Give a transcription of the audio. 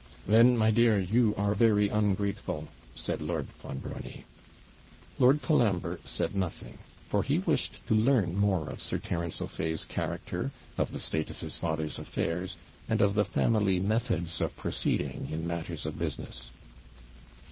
'Then, my dear, you are very ungrateful,' said Lord Clonbrony. Lord Colambre said nothing, for he wished to learn more of Sir Terence O'Fay's character, of the state of his father's affairs, and of the family methods of proceeding in matters of business.